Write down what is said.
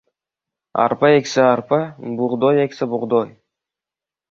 arpa eksa – arpa, bug‘doy eksa – bug‘doy.